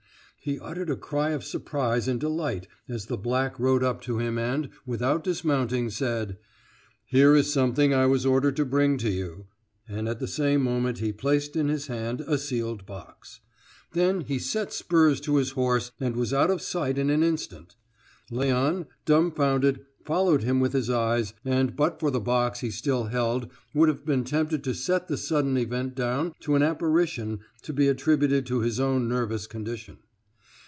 He uttered a cry of surprise and delight as the black rode up to him and, without dismounting, said: "Here is something I was ordered to bring to you," and at the same moment he placed in his hand a sealed box. Then he set spurs to his horse and was out of sight in an instant. Léon, dumbfounded, followed him with his eyes, and but for the box he still held would have been tempted to set the sudden event down to an apparition to be attributed to his own nervous condition.